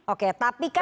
oke tapi kan